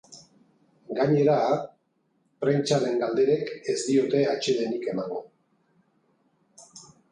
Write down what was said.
Gainera, prentsaren galderek ez diote atsedenik emango.